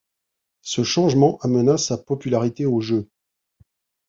Ce changement amena sa popularité au jeu.